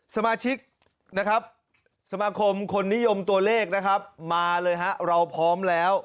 สมาชิกนะครับสมาคมคนนิยมตัวเลขนะครับมาเลยฮะเราพร้อมแล้ว